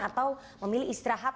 atau memilih istirahat